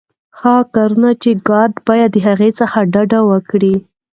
هغه کارونه چي ګارډ باید د هغوی څخه ډډه وکړي.